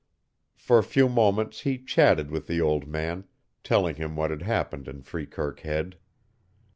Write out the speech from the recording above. For a few moments he chatted with the old man, telling him what had happened in Freekirk Head.